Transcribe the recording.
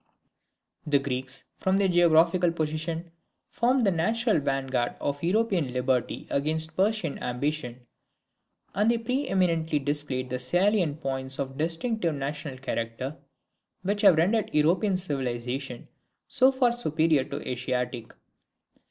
The Greeks, from their geographical position, formed the natural vanguard of European liberty against Persian ambition; and they pre eminently displayed the salient points of distinctive national character, which have rendered European civilization so far superior to Asiatic.